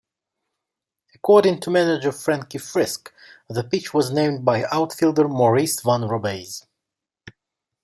According to manager Frankie Frisch, the pitch was named by outfielder Maurice Van Robays.